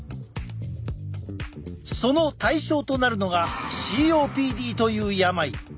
その対象となるのがＣＯＰＤという病。